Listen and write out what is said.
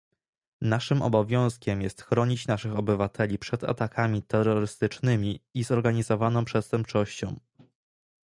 Naszym obowiązkiem jest chronić naszych obywateli przed atakami terrorystycznymi i zorganizowaną przestępczością